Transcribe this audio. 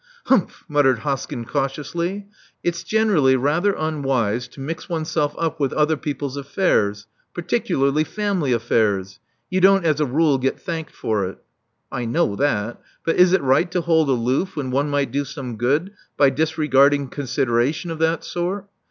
Humph!" muttered Hoskyn cautiously. "It's generally rather unwise to mix oneself up with other people's affairs, particularly family affairs. You don't as a rule get thanked for it." '*I know that. But is it right to hold aloof when one might do some good by disregarding consideration of that sort?